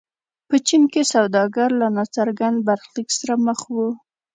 په چین کې سوداګر له ناڅرګند برخلیک سره مخ وو.